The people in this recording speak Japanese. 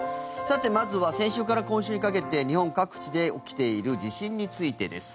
まずは先週から今週にかけて日本各地で起きている地震についてです。